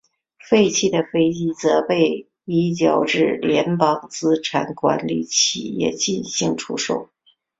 废弃的飞机则被移交至联邦资产管理企业进行出售。